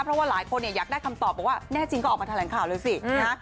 เพราะว่าหลายคนอยากได้คำตอบบอกว่าแน่จริงก็ออกมาแถลงข่าวเลยสินะฮะ